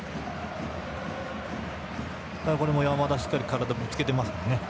これも山田はしっかり体をぶつけてますよね。